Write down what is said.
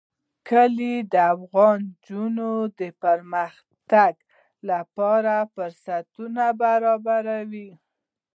کلي د افغان نجونو د پرمختګ لپاره فرصتونه برابروي.